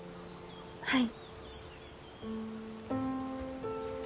はい。